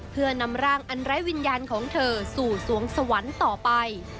เพื่อนำร่างอันไร้วิญญาณของเธอสู่สวงสวรรค์ต่อไป